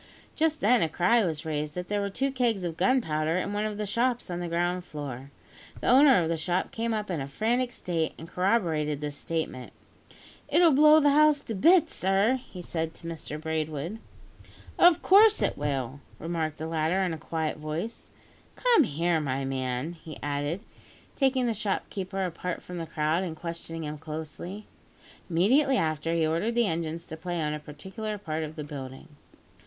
Just then, a cry was raised that there were two kegs of gunpowder in one of the shops on the ground floor. The owner of the shop came up in a frantic state, and corroborated this statement. "It'll blow the house to bits, sir," he said to Mr Braidwood. "Of course it will," remarked the latter in a quiet voice. "Come here, my man," he added, taking the shopkeeper apart from the crowd, and questioning him closely. Immediately after, he ordered the engines to play on a particular part of the building.